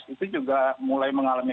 itu juga mulai mengalami